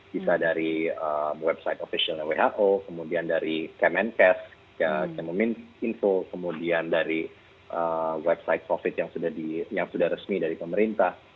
bisa dari website officialnya who kemudian dari kemenkes info kemudian dari website covid yang sudah resmi dari pemerintah